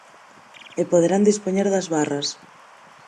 E poderán dispoñer das barras.